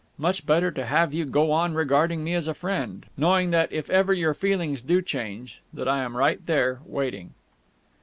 Much better to have you go on regarding me as a friend ... knowing that, if ever your feelings do change, that I am right there, waiting...."